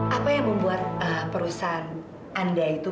apa yang membuat perusahaan anda itu